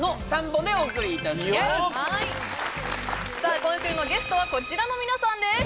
今週のゲストはこちらの皆さんです